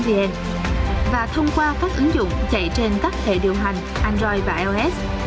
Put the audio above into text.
và thông qua các ứng dụng chạy trên các hệ điều hành android và ios